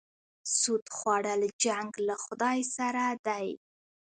سود خوړل جنګ له خدای سره دی.